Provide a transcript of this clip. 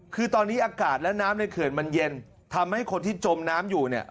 คือตอนนี้อากาศและน้ำในเขื่อนมันเย็นทำให้คนที่จมน้ำอยู่เนี่ย